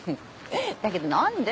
だけど何で？